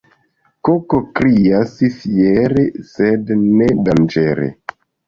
Koko krias fiere, sed ne danĝere.